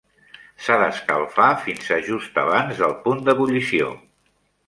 S'ha d'escalfar fins a just abans del punt d'ebullició.